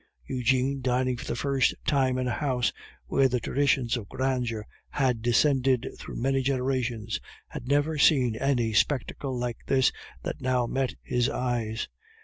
Eugene, dining for the first time in a house where the traditions of grandeur had descended through many generations, had never seen any spectacle like this that now met his eyes.